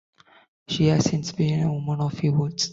She has since been a woman of few words.